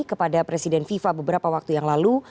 kepada presiden fifa beberapa waktu yang lalu